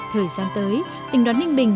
thời gian tới tỉnh đoàn ninh bình